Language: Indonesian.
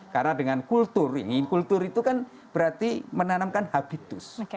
karena dengan kultur yang ingin kultur itu kan berarti menanamkan habitus